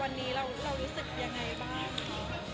วันนี้เรารู้สึกยังไงบ้างค่ะ